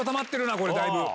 これだいぶ。